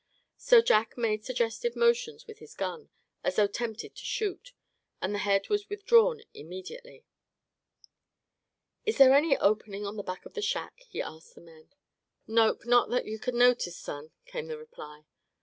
So Jack made suggestive motions with his gun, as though tempted to shoot; and the head was withdrawn immediately. "Is there any opening on the back of the shack?" he asked the men. "Nope, not that yuh cud notice, son," came the reply.